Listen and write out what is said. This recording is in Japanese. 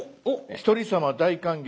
「一人様大歓迎！